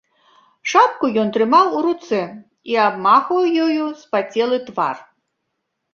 Шапку ён трымаў у руцэ і абмахваў ёю спацелы твар.